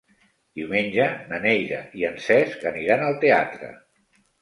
Diumenge na Neida i en Cesc aniran al teatre.